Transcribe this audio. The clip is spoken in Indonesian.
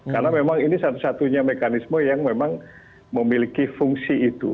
karena memang ini satu satunya mekanisme yang memang memiliki fungsi itu